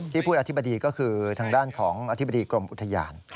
พูดอธิบดีก็คือทางด้านของอธิบดีกรมอุทยาน